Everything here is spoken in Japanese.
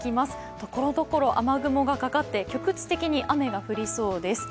ところどころ雨雲がかかって局地的に雨が降りそうです。